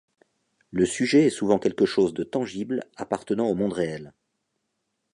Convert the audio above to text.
Le sujet est souvent quelque chose de tangible appartenant au monde réel.